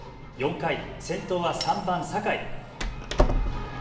４回、先頭は３番・酒井。